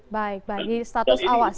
baik bagi status awas